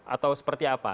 atau seperti apa